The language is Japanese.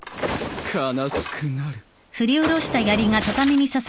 悲しくなる。